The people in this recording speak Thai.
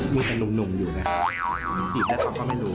มึงเป็นนุ่มอยู่เลยค่ะ